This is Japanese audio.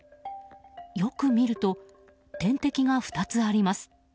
よく見ると点滴が２つあります。